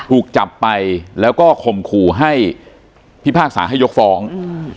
ถูกจับไปแล้วก็ข่มขู่ให้พิพากษาให้ยกฟ้องอืม